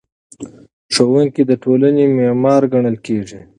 ښوونکی د ټولنې معمار ګڼل کېږي.